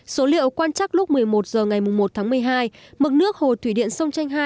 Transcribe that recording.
số liệu quan chắc lúc một mươi một h ngày một tháng một mươi hai mực nước hồ thủy điện sông chanh hai